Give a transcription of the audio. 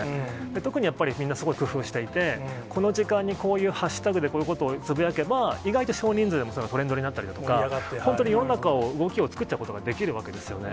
特にやっぱり、みんなすごい工夫していて、この時間にこういうハッシュタグでこういうことをつぶやけば、意外と少人数でもトレンドになったりとか、本当に世の中の動きを作っちゃうことができるわけですよね。